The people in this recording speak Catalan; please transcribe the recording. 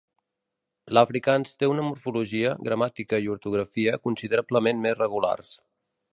L'afrikaans té una morfologia, gramàtica i ortografia considerablement més regulars.